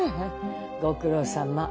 ご苦労さま。